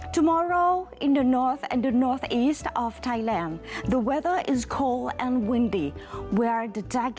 มีเวลาในที่นอกและที่นอกอีกข้างไทยมีความสะดวกและมีความหวัง